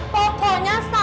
pokoknya saya gak setuju